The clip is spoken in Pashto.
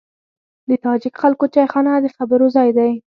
د تاجک خلکو چایخانه د خبرو ځای دی.